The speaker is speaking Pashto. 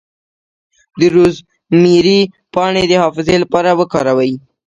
د روزمیری پاڼې د حافظې لپاره وکاروئ